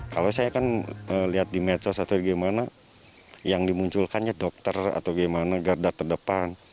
kalau saya kan lihat di medsos atau gimana yang dimunculkannya dokter atau gimana garda terdepan